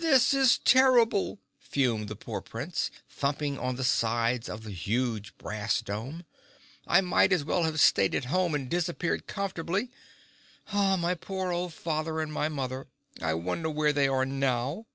"This is terrible," fumed the poor Prince, thumping on the sides of the huge brass dome. "I might as well have stayed at home and disappeared comfortably. My poor old father and my mother! I wonder where they are now?"